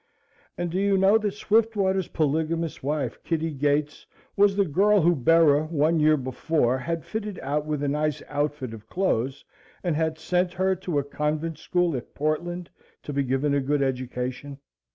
And do you know that Swiftwater's polygamous wife, Kitty Gates, was the girl who Bera one year before had fitted out with a nice outfit of clothes and had sent her to a convent school at Portland to be given a good education?